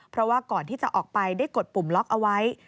เพราะว่าก่อนที่จะออกไปได้กดปุ่มล็อกเอาไว้